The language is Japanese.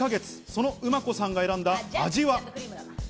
そのウマコさんが選んだ味は。